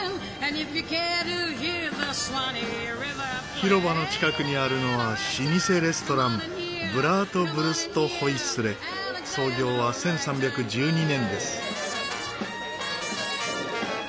広場の近くにあるのは老舗レストランブラートヴルストホイスレ創業は１３１２年です。